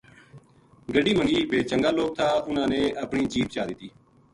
گَڈی منگی ویہ چنگا لوک تھا اُنھاں نے اپنی جیپ چا دِتی